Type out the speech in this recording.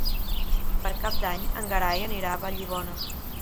Per Cap d'Any en Gerai anirà a Vallibona.